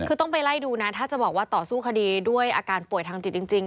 คือต้องไปไล่ดูนะถ้าจะบอกว่าต่อสู้คดีด้วยอาการป่วยทางจิตจริง